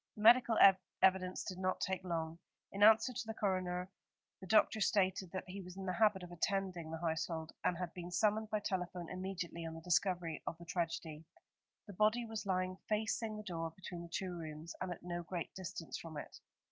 The medical evidence did not take long. In answer to the coroner, the doctor stated that he was in the habit of attending the household, and had been summoned by telephone immediately on the discovery of the tragedy. The body was lying facing the door between the two rooms, and at no great distance from it.